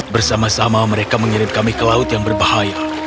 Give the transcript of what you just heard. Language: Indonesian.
bersama sama mereka mengirim kami ke laut yang berbahaya